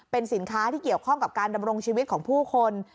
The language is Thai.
เป็นสินค้าที่เกี่ยวข้องกับการดำรงชีวิตของผู้คน